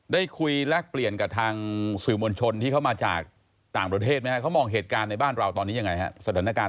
ได้คุยแลกเปลี่ยนกับทางศิลป์มลชนที่เข้ามาจากต่างประเทศมั้ยคะเขามองเหตุการณ์ในบ้านเราคุณคุณสวัสดีครับ